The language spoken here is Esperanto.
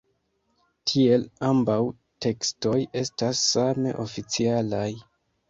Tiel ambaŭ tekstoj estas same oficialaj.